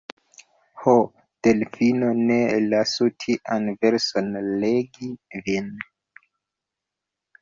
Ho, Delfino, ne lasu tian penson regi vin!